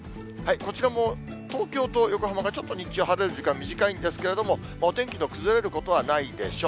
こちらも東京と横浜がちょっと日中晴れる時間、短いんですけれども、お天気の崩れることはないでしょう。